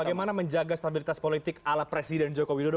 bagaimana menjaga stabilitas politik ala presiden joko widodo